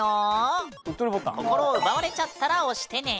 心を奪われちゃったら押してね！